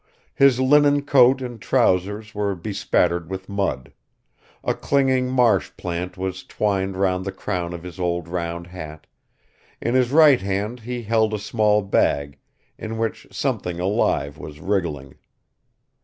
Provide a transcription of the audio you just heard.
His linen coat and trousers were bespattered with mud; a clinging marsh plant was twined round the crown of his old round hat, in his right hand he held a small bag in which something alive was wriggling.